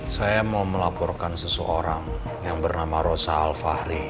saya mau melaporkan seseorang yang bernama rosa al fahri